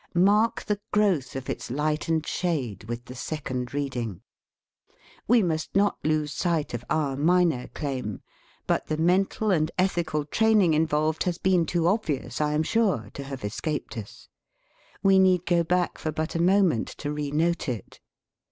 Mark the growth of its light and shade with the second reading. We must not lose sight of our minor claim. But the mental and ethical training involved has been too obvious, I am sure, to have escaped us. We need go back for but a mo ment to renote it.